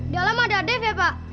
dalem ada dev ya pak